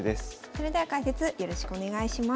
それでは解説よろしくお願いします。